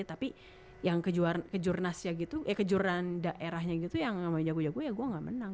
tapi yang ke jurnasnya gitu ya ke jurnan daerahnya gitu yang sama jago jago ya gue gak menang